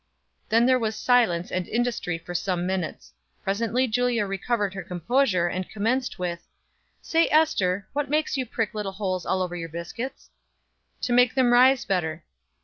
Then there was silence and industry for some minutes. Presently Julia recovered her composure, and commenced with "Say, Ester, what makes you prick little holes all over your biscuits?" "To make them rise better."